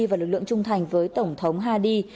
và lực lượng trung thành với tổng thống hadi